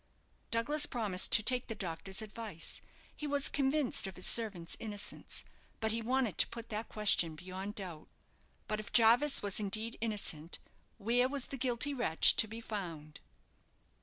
Douglas promised to take the doctor's advice. He was convinced of his servant's innocence; but he wanted to put that question beyond doubt. But if Jarvis was indeed innocent, where was the guilty wretch to be found?